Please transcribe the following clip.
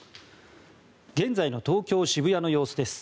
現在の東京・渋谷の様子です。